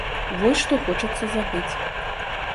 Вось што хочацца забыць.